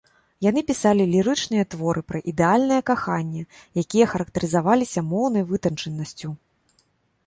Яны пісалі лірычныя творы пра ідэальнае каханне, якія характарызаваліся моўнай вытанчанасцю.